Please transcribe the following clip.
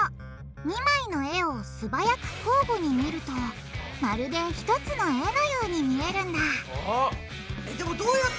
２枚の絵を素早く交互に見るとまるで一つの絵のように見えるんだでもどうやってやるの？